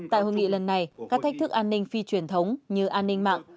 tại hội nghị lần này các thách thức an ninh phi truyền thống như an ninh mạng